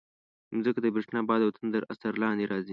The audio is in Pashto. مځکه د برېښنا، باد او تندر اثر لاندې راځي.